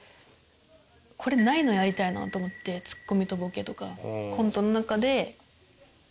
これないのやりたいなと思ってツッコミとボケとか。